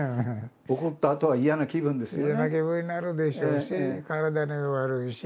怒ったあとは嫌な気分ですよね。